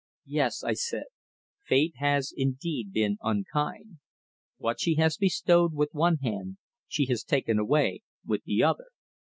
"Yes," I said, "Fate has indeed been unkind. What she has bestowed with one hand, she has taken away with the other."